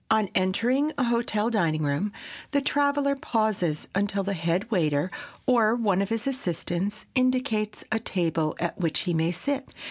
On entering a hotel dining room, the traveler pauses until the head waiter, or one of his assistants, indicates a table at which he may sit.